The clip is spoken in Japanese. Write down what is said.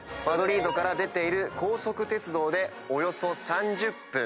マドリードから出ている高速鉄道でおよそ３０分。